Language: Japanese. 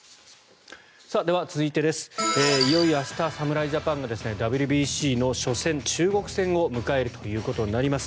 では、続いていよいよ明日侍ジャパンがＷＢＣの初戦中国戦を迎えるということになります。